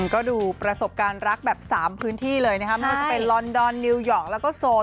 ก็ดูประสบการณ์รักแบบ๓พื้นที่เลยนะครับไม่ว่าจะเป็นลอนดอนนิวยอร์กแล้วก็โซน